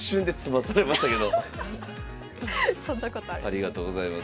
ありがとうございます。